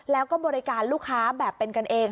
แล้วก็บริการลูกค้าแบบเป็นกันเอง